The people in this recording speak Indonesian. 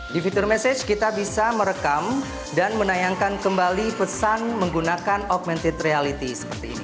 di fitur message kita bisa merekam dan menayangkan kembali pesan menggunakan augmented reality seperti ini